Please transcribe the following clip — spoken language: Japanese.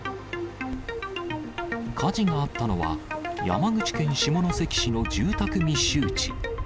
火事があったのは、山口県下関市の住宅密集地。